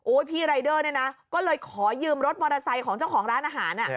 พี่รายเดอร์เนี่ยนะก็เลยขอยืมรถมอเตอร์ไซค์ของเจ้าของร้านอาหาร